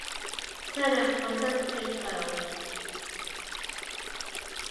Turner also paid well.